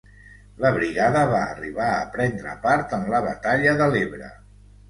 La brigada va arribar a prendre part en la batalla de l'Ebre.